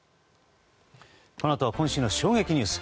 このあとは今週の衝撃ニュース。